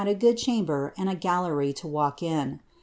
a good chamber, and a gallery lo walk in.